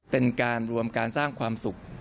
เป็นการรวมการสร้างความสุข